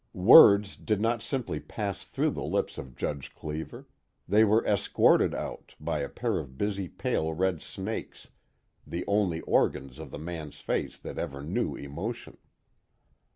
Words did not simply pass through the lips of Judge Cleever: they were escorted out, by a pair of busy pale red snakes, the only organs of the man's face that ever knew emotion.